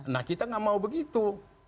nah kita gak mau begitu